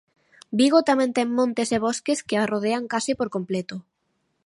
Vigo tamén ten montes e bosques que a rodean case por completo.